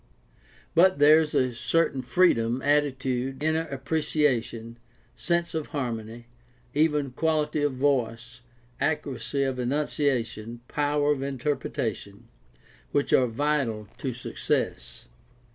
But there is a certain freedom, attitude, inner appreciation, sense of har mony, even quality of voice, accuracy of enunciation, power of interpretation, which are vital to success.